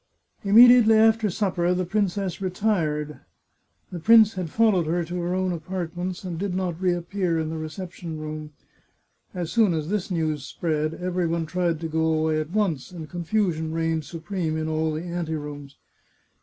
Immediately after supper the princess retired. The prince had followed her to her own apartments, and did not reappear in the reception room. As soon as this news spread, every 500 The Chartreuse of Parma one tried to go away at once, and confusion reigned supreme in all the anterooms.